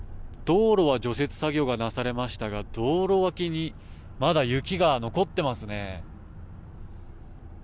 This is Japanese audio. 道路は除雪作業がなされましたが道路脇にまだ雪が残ってますね。